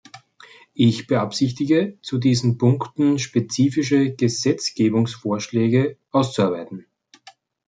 Ich beabsichtige, zu diesen Punkten spezifische Gesetzgebungsvorschläge auszuarbeiten.